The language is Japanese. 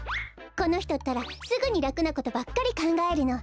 このひとったらすぐにらくなことばっかりかんがえるの。